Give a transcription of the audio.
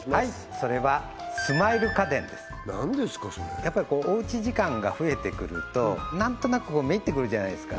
それやっぱりおうち時間が増えてくると何となくめいってくるじゃないですか